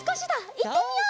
いってみよう！